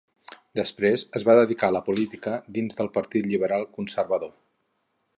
Després es va dedicar a la política dins del Partit Liberal Conservador.